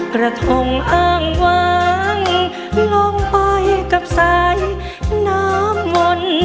กระทงอ้างวางลงไปกับสารน้ำมนต์